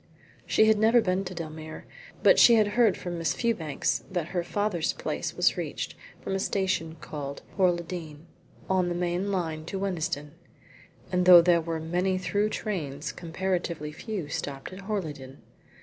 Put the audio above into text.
She had never been to Dellmere, but she had heard from Miss Fewbanks that her father's place was reached from a station called Horleydene, on the main line to Wennesden, and that though there were many through trains, comparatively few stopped at Horleydene.